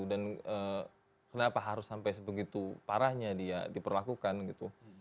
dan kenapa harus sampai sebegitu parahnya dia diperlakukan gitu